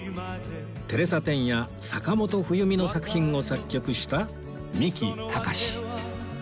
テレサ・テンや坂本冬美の作品を作曲した三木たかし